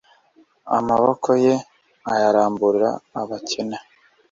Amaboko ye ayaramburira abakene